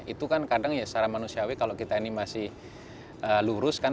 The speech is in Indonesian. itu kan kadang ya secara manusiawi kalau kita ini masih lurus kan